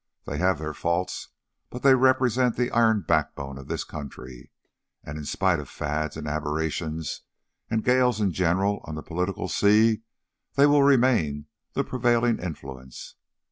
They have their faults, but they represent the iron backbone of this country, and in spite of fads and aberrations, and gales in general on the political sea, they will remain the prevailing influence.